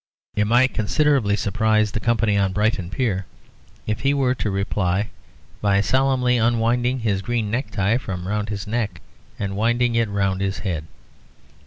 It might considerably surprise the company on Brighton Pier, if he were to reply by solemnly unwinding his green necktie from round his neck, and winding it round his head.